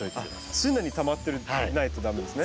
常にたまってないと駄目ですね。